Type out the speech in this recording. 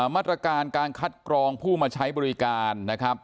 มาตรการการคัดกรองผู้มาใช้บริการนะครับ